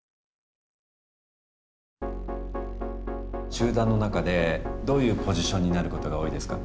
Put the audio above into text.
集団の中でどういうポジションになることが多いですか？